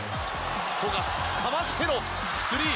富樫、かわしてのスリー！